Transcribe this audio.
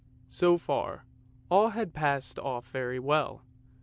So far, all had passed off very well.